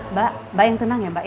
mbak mbak yang tenang ya mbak ya